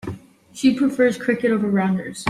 She prefers cricket over rounders.